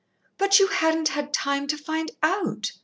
"But you hadn't had time to find out!